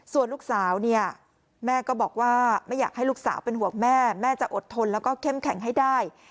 ส่วนลูกสาวเนี่ยแม่ก็บอกว่าไม่อยากให้ลูกสาวเป็นห่วงแม่แม่จะอดทนแล้วก็เข้มแข็งให้ได้